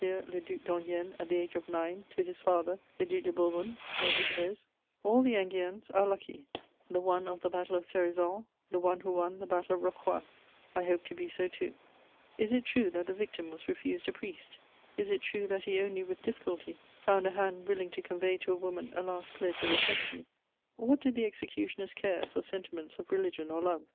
le Duc d'Enghien, at the age of nine, to his father the Duc de Bourbon; he says: "All the Enguiens are lucky; the one of the Battle of Cerizoles, the one who won the Battle of Rocroi: I hope to be so too." Is it true that the victim was refused a priest? Is it true that he only with difficulty found a hand willing to convey to a woman a last pledge of affection? What did the executioners care for sentiments of religion or love?